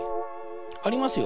ありますよ。